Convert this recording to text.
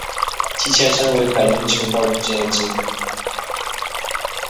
其前身为海军情报局建立之。